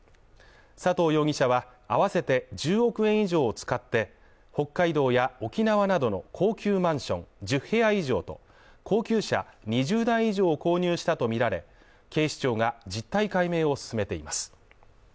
佐藤容疑者は合わせて１０億円以上を使って、北海道や沖縄などの高級マンション１０部屋以上と高級車２０台以上を購入したとみられ、警視庁が実態解明を進めています。